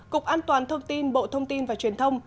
cục an toàn thông tin bộ thông tin và truyền thông